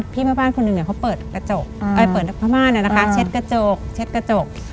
พี่แม่บ้านคนหนึ่งเขาเปิดประมาณนั้นนะคะเช็ดกระจก